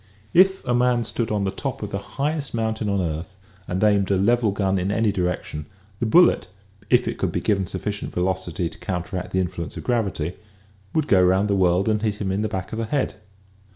If a man stood on the top of the highest mountain on earth and aimed a level gun in any direction, the bullet, if it could be given sufficient velocity to counteract the influence of gravity, would go around the world and hit him in the back of the head.